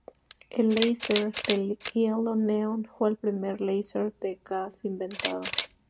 El láser de helio-neón fue el primer láser de gas inventado.